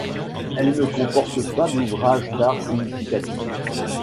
Elle ne comporte pas d'ouvrages d'art significatifs.